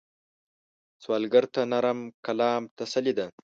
سوالګر ته نرم کلام تسلي ده